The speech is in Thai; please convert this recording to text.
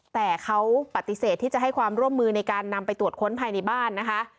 แต่เขาปฏิเสธที่จะให้ความร่วมมือในการนำไปตรวจค้นภายในบ้านนะคะ